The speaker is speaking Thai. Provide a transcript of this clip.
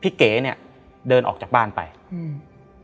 เก๋เนี้ยเดินออกจากบ้านไปอืม